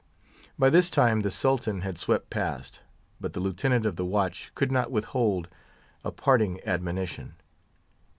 By this time the Sultan had swept past, but the Lieutenant of the Watch could not withhold a parting admonition.